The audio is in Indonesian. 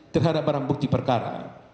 terhadap barang bukti perkara